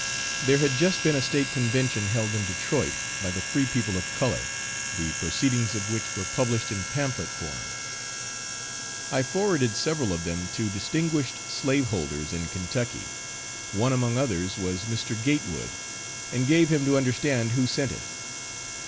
There had just been a State Convention held in Detroit, by the free people of color, the proceedings of which were published in pamphlet form. I forwarded several of them to distinguished slaveholders in Kentucky one among others was Mr. Gatewood, and gave him to understand who sent it.